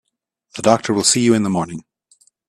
The doctor will see you in the morning.